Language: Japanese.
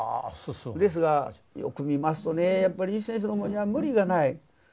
ですがよく見ますとねやっぱりリーチ先生のものには無理がない。